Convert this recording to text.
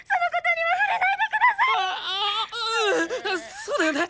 そうだよね！